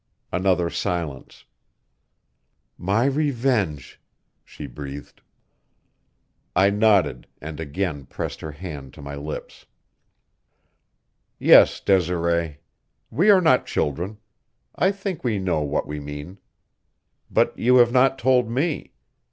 Another silence. "My revenge," she breathed. I nodded and again pressed her hand to my lips. "Yes, Desiree. We are not children. I think we know what we mean. But you have not told me.